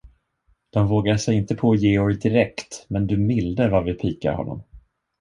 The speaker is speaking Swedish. De vågar sig inte på Georg direkt, men, du milde, vad vi pikar honom!